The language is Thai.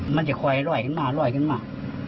มันจะคอยลอยขึ้นมาลอยขึ้นมา